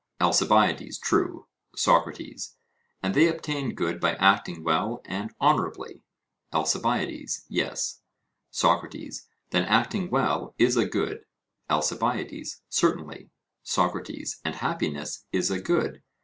ALCIBIADES: True. SOCRATES: And they obtain good by acting well and honourably? ALCIBIADES: Yes. SOCRATES: Then acting well is a good? ALCIBIADES: Certainly. SOCRATES: And happiness is a good?